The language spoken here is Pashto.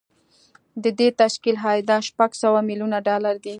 د دې تشکیل عایدات شپږ سوه میلیونه ډالر دي